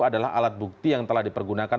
adalah alat bukti yang telah dipergunakan